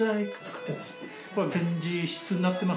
ここは展示室になってます。